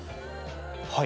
はい。